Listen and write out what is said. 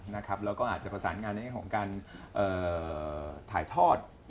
แล้วก็อาจจะประสานงานในเรื่องของการถ่ายทอด